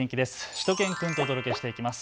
しゅと犬くんとお届けしていきます。